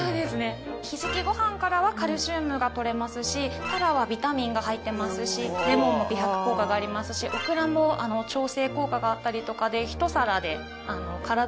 ひじきご飯からはカルシウムが取れますしタラはビタミンが入ってますしレモンも美白効果がありますしオクラも腸整効果があったりとかで。